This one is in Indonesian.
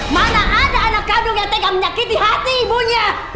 mana ada anak kandung yang tega menyakiti hati ibunya